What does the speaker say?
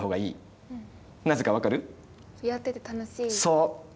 そう！